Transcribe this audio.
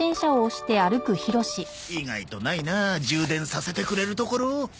意外とないな充電させてくれる所。